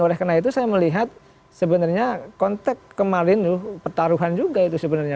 oleh karena itu saya melihat sebenarnya konteks kemarin itu pertaruhan juga itu sebenarnya